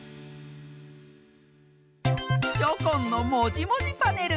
チョコンの「もじもじパネル」！